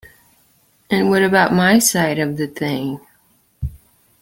And what about my side of the thing?